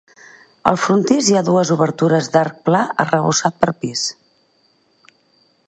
Al frontis hi ha dues obertures d'arc pla arrebossat per pis.